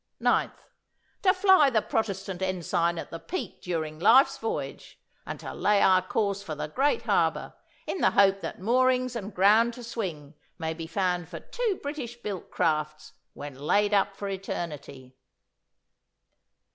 '"Ninth. To fly the Protestant ensign at the peak during life's voyage, and to lay our course for the great harbour, in the hope that moorings and ground to swing may be found for two British built crafts when laid up for eternity."